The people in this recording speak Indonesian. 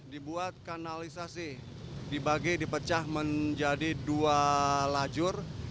dibuat kanalisasi dibagi dipecah menjadi dua lajur